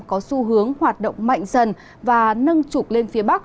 có xu hướng hoạt động mạnh dần và nâng trục lên phía bắc